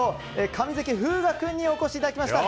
上関風雅君にお越しいただきました。